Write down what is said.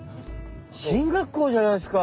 進学校じゃないすか。